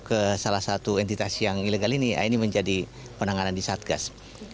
ke salah satu entitas yang ilegal ini ya ini menjadi penanganan di satgas